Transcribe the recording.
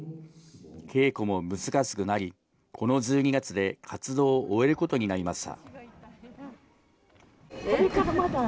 稽古も難しくなり、この１２月で活動を終えることになりました。